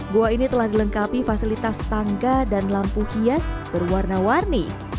gua ini telah dilengkapi fasilitas tangga dan lampu hias berwarna warni